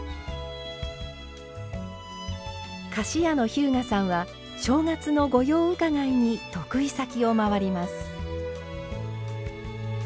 菓子屋の日向さんは正月の御用伺いに得意先を回ります。